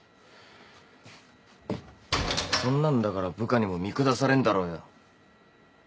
そんなんだから部下にも見下されんだろうよ。